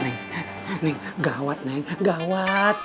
neneng gawat neneng gawat